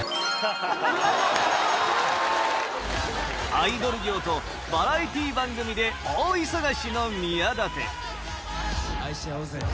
・アイドル業とバラエティー番組で大忙しの宮舘愛し合おうぜ。